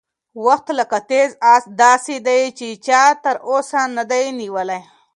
وخت لکه تېز اس داسې دی چې چا تر اوسه نه دی نیولی.